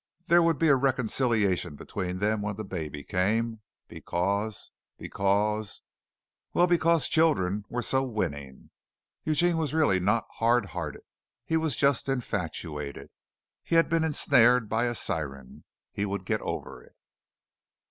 There would be a reconciliation between them when the baby came because because Well, because children were so winning! Eugene was really not hard hearted he was just infatuated. He had been ensnared by a siren. He would get over it.